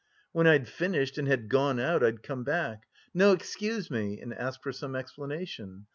When I'd finished and had gone out, I'd come back, 'No, excuse me,' and ask for some explanation.